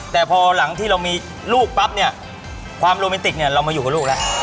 แต่พอหลังที่เรามีลูกปั๊บเนี่ยความโรแมนติกเนี่ยเรามาอยู่กับลูกแล้ว